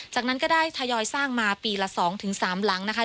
จากนั้นก็ได้ทยอยสร้างมาปีละ๒๓หลังนะคะ